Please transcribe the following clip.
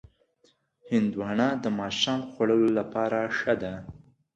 هندوانه د ماښام خوړلو لپاره ښه ده.